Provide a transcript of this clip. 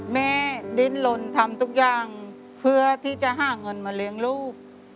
ดิ้นลนทำทุกอย่างเพื่อที่จะหาเงินมาเลี้ยงลูก